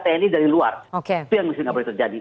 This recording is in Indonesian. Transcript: tni dari luar itu yang mesti nggak boleh terjadi